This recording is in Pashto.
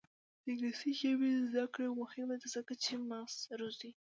د انګلیسي ژبې زده کړه مهمه ده ځکه چې مغز روزي.